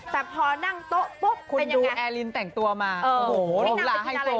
แต่พอนั่งโต๊ะปุ๊บเป็นยังไงคุณดูแอรินแต่งตัวมาโอ้โหลองลาให้ตัว